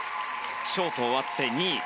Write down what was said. ショートが終わって２位。